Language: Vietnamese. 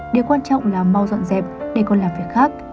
điều quan trọng là mau dọn dẹp để còn làm việc khác